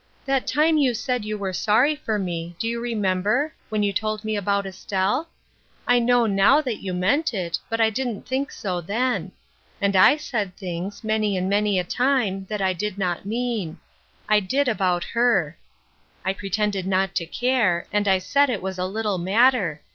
That time you said you were sorry for me, do you remem ber — when you told me about Estelle ? I know now that you meant it, but I didn't think so then. And I said things, many and many a time, that I did not mean. I did about her ; I pretended not to care, and I said it was a little matter.